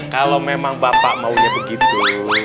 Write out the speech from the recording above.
kalau memang bapak maunya begitu